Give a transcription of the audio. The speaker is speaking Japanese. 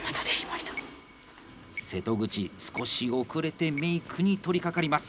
瀬戸口、少し遅れてメイクに取りかかります。